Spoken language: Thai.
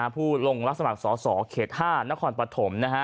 ผู้ลงรับสมัครสอสอเขต๕นครปฐม